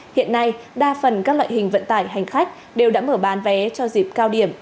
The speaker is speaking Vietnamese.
hiện nay đa phần các loại hình vận tải hành khách đều đã mở bán vé cho dịp cao điểm